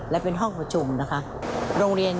ในหลวงทั้งสองพระองค์ทั้งสองพระองค์